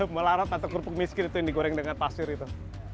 melarat atau kerupuk miskin itu yang digoreng dengan pasir itu